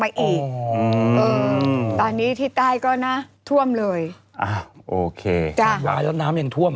อืมเออตอนนี้ที่ใต้ก็นะท่วมเลยอ่าโอเคจ้าแล้วน้ำยังท่วม